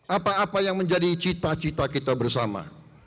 apa apa yang menjadi cita cita kita bersama